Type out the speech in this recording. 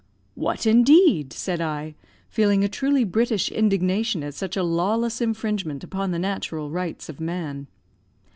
"What, indeed?" said I, feeling a truly British indignation at such a lawless infringement upon the natural rights of man.